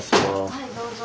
はいどうぞ。